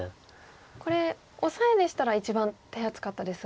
これオサエでしたら一番手厚かったですが。